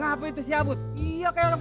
kau dapat dua beginian dua kalung